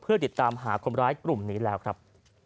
เพื่อติดตามหาคนร้ายกลุ่มนี้แล้วครับ